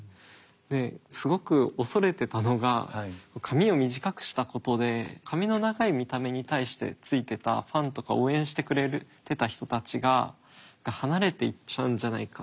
ですごく恐れてたのが髪を短くしたことで髪の長い見た目に対してついてたファンとか応援してくれてた人たちが離れていっちゃうんじゃないかっていう。